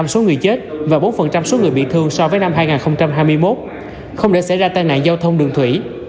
bốn ba số người chết và bốn số người bị thương so với năm hai nghìn hai mươi một không để xảy ra tài nạn giao thông đường thủy